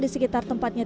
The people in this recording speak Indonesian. di sekitar tempatnya